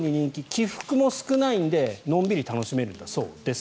起伏も少ないのでのんびり楽しめるそうです。